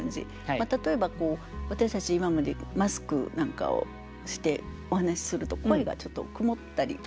例えば私たち今までマスクなんかをしてお話しすると声がちょっと曇ったり。